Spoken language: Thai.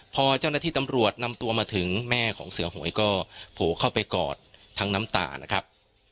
พอเจ้าหน้าที่ตำรวจนำตัวมาถึงแม่ของเสือหวยก็โผล่เข้าไปกอดทั้งน้ำตานะครับ